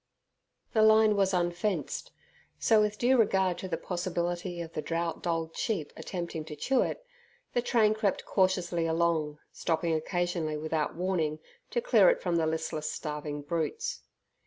The line was unfenced, so with due regard to the possibility of the drought dulled sheep attempting to chew it, the train crept cautiously along, stopping occasionally, without warning, to clear it from the listless starving brutes.